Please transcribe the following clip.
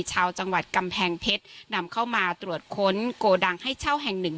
ชาวจังหวัดกำแพงเพชรนำเข้ามาตรวจค้นโกดังให้เช่าแห่งหนึ่ง